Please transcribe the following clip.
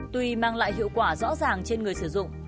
tuy mang lại hiệu quả rõ ràng trên người sử dụng